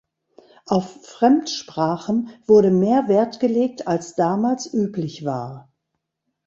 Auf Fremdsprachen wurde mehr Wert gelegt als damals üblich war.